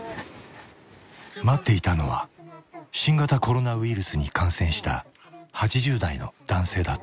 待っていたのは新型コロナウイルスに感染した８０代の男性だった。